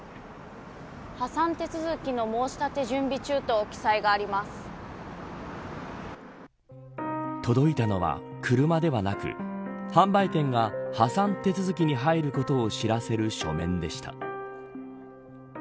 破産手続の申し立て準備中と届いたのは、車ではなく販売店が破産手続きに入ることを知らせる書面でした。